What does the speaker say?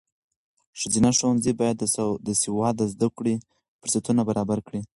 ښځینه ښوونځي باید د سواد د زده کړې فرصتونه برابر کړي.